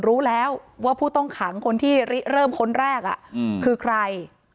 รู้แล้วว่าผู้ต้องขังคนที่ริเริ่มคนแรกคือใคร